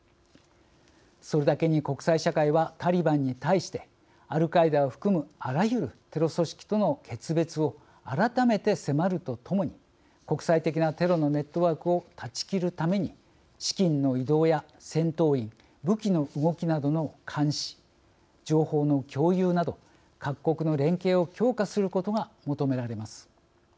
それだけに国際社会はタリバンに対してアルカイダを含むあらゆるテロ組織との決別を改めて迫るとともに国際的なテロのネットワークを断ち切るために資金の移動や戦闘員武器の動きなどの監視情報の共有など各国の連携を強化することが求められます。